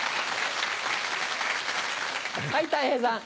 はいたい平さん。